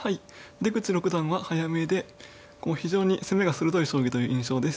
出口六段は早見えでこう非常に攻めが鋭い将棋という印象です。